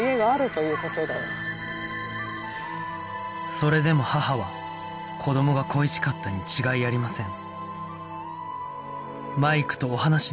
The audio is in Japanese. それでも母は子どもが恋しかったに違いありません